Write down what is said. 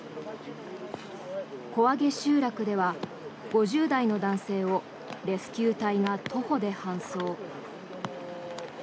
小揚集落では５０代の男性をレスキュー隊が徒歩で搬送。